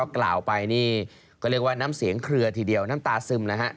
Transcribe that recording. กล่าวไปนี่ก็เรียกว่าน้ำเสียงเคลือทีเดียวน้ำตาซึมนะฮะ